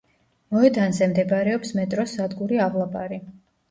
მოედანზე მდებარეობს მეტროს სადგური ავლაბარი.